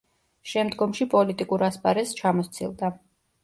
შემდგომში პოლიტიკურ ასპარეზს ჩამოსცილდა.